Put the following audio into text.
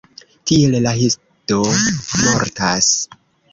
Tiel la histo mortas.